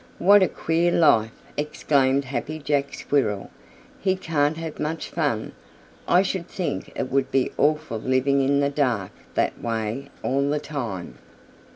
"What a queer life," exclaimed Happy Jack Squirrel. "He can't have much fun. I should think it would be awful living in the dark that way all the time."